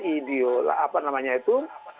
ideolah apa namanya itu